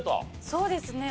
そうですね